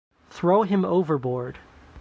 Throw him overboard.